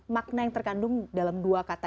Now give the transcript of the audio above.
makna yang terkandung dalam dua kata